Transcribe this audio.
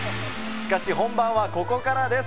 しかし本番はここからです。